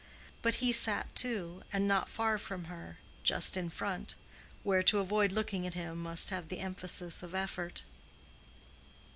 But he sat, too, and not far from her—just in front, where to avoid looking at him must have the emphasis of effort.